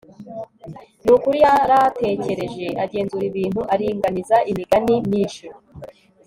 ni ukuri, yaratekereje, agenzura ibintu, aringaniza imigani myinshi